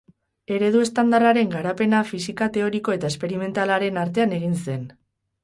Eredu Estandarraren garapena fisika teoriko eta esperimentalaren artean egin zen.